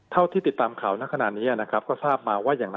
เท่าที่ติดตามข่าวนักขณะนี้ก็ทราบมา